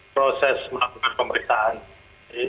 apakah sudah ada keterangan mungkin dari pak halidin ini